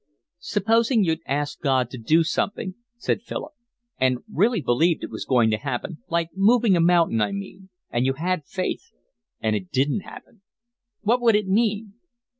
"Supposing you'd asked God to do something," said Philip, "and really believed it was going to happen, like moving a mountain, I mean, and you had faith, and it didn't happen, what would it mean?"